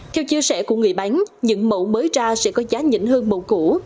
theo chia sẻ của người bán những mẫu mới ra sẽ có giá nhỉnh hơn mẫu cũ